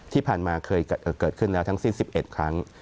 ที่ผ่านมาเคยเกิดขึ้นแล้วทั้งสิ้น๑๑ครั้ง